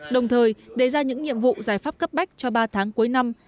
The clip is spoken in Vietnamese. đồng thời đề ra những nhiệm vụ giải pháp cấp bách cho ba tháng cuối năm